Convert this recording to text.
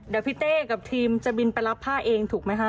เดี๋ยวพี่เต้กับทีมจะบินไปรับผ้าเองถูกไหมคะ